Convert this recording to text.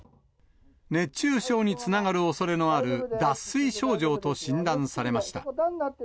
熱中症につながるおそれのある脱水症状と診断されました。